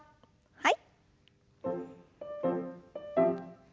はい。